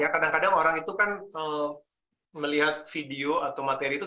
kadang kadang orang itu kan melihat video atau materi itu